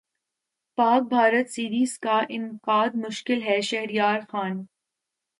پاک بھارت سیریزکا انعقادمشکل ہے شہریارخان